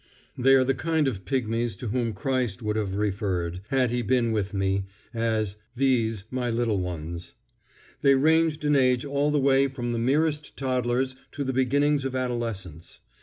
They were the kind of pigmies to whom Christ would have referred, had He been with me, as "These, my little ones." They ranged in age all the way from the merest toddlers to the beginnings of adolescence.